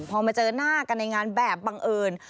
พอมาเจอหน้ากันในงานแบบบังเอิญ